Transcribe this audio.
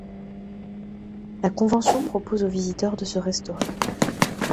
La convention propose aux visiteurs de se restaurer.